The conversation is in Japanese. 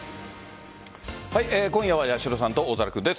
今夜は八代さんと大空君です。